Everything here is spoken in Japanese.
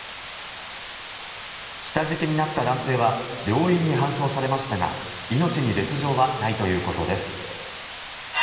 下敷きになった男性は病院に搬送されましたが命に別条はないということです。